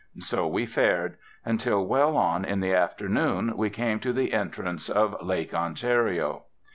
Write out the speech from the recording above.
So we fared; until, well on in the afternoon, we came to the entrance of Lake Ontario.